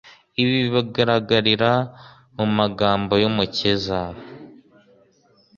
Ibi bigaragarira mu magambo y’Umukiza